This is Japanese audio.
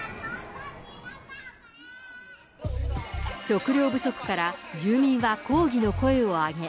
食料不足から、住民は抗議の声を上げ。